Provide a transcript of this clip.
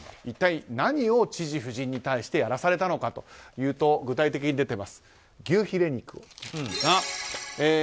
一体何を知事夫人に対してやらされたのかというと具体的に出ています。